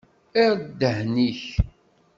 Err ddhen-ik!